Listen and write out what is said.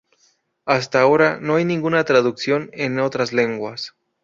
Hasta ahora no hay ninguna traducción en otras lenguas.